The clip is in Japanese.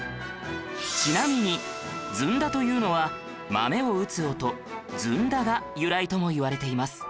ちなみにずんだというのは豆を打つ音「ずんだ」が由来ともいわれています